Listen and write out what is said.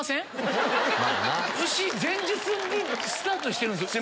前日にスタートしてるんすよ。